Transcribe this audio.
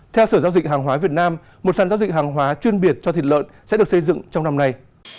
theo sở giao dịch hàng hóa việt nam một sản giao dịch hàng hóa chuyên biệt cho thịt lợn sẽ được xây dựng trong năm nay